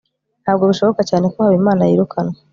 ntabwo bishoboka cyane ko habimana yirukanwa